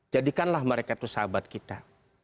jadikanlah mereka itu sahabat kita